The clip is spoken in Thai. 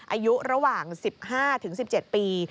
อายุระหว่าง๑๕๑๗ปี